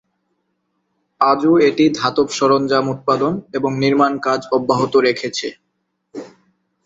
আজও এটি ধাতব সরঞ্জাম উৎপাদন এবং নির্মাণ কাজ অব্যাহত রেখেছে।